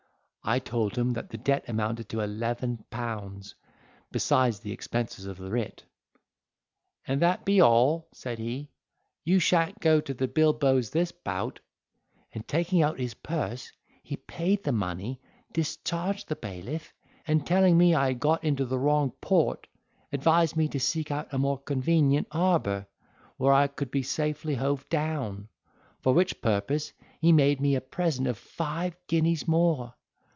I told him that the debt amounted to eleven pounds, besides the expenses of the writ. "An that be all," said he, "you shan't go to the bilboes this bout." And taking out his purse, he paid the money, discharged the bailiff, and telling me I had got into the wrong port, advised me to seek out a more convenient harbour, where I could be safely hove down; for which purpose he made me a present of five guineas more.